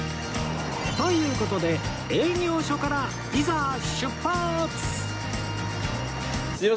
という事で営業所からいざ出発！